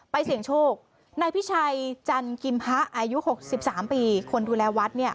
เสี่ยงโชคนายพิชัยจันกิมฮะอายุ๖๓ปีคนดูแลวัด